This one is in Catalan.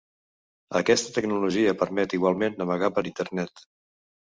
Aquesta tecnologia permet igualment navegar per Internet.